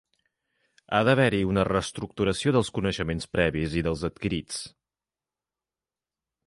Ha d'haver-hi una reestructuració dels coneixements previs i dels adquirits.